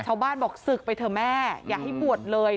บอกศึกไปเถอะแม่อย่าให้บวชเลย